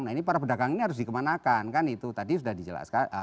nah ini para pedagang ini harus dikemanakan kan itu tadi sudah dijelaskan